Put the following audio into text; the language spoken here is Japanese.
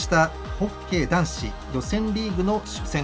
ホッケー男子予選リーグの初戦。